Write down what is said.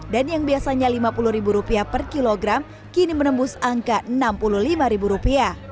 dan yang biasanya rp lima puluh per kilogram kini menembus angka rp enam puluh lima